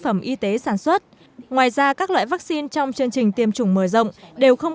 phẩm y tế sản xuất ngoài ra các loại vaccine trong chương trình tiêm chủng mở rộng đều không